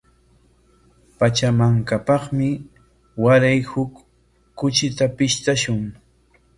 Pachamankapaqmi waray huk kuchita pishqashun.